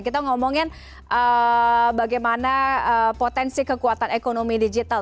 kita ngomongin bagaimana potensi kekuatan ekonomi digital